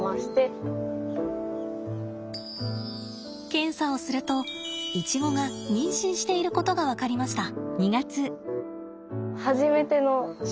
検査をするとイチゴが妊娠していることが分かりました。